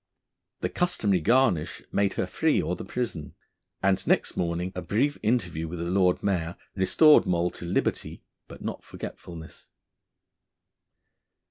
The customary garnish made her free or the prison, and next morning a brief interview with the Lord Mayor restored Moll to liberty but not to forgetfulness.